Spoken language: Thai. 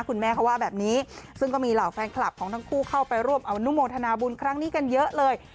คุณแม่เขาว่าแบบนี้ซึ่งก็มีเหล่าแฟนคลับของทั้งคู่เข้าไปร่วมอนุโมทนาบุญครั้งนี้กันเยอะเลย